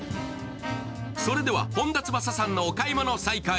それでは、本田翼さんのお買い物再開。